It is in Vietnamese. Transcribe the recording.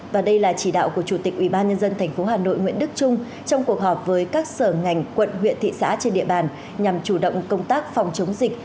và đây là chỉ đạo của chủ tịch ubnd tp hà nội nguyễn đức trung trong cuộc họp với các sở ngành quận huyện thị xã trên địa bàn nhằm chủ động công tác phòng chống dịch